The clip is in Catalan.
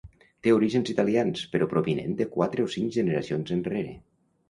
Té orígens italians però provinent de quatre o cinc generacions enrere.